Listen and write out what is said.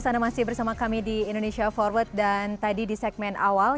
sebagai pertama sekali saya ingin saya perhatikan adalah